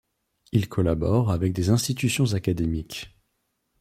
Il collabore avec des institutions académiques.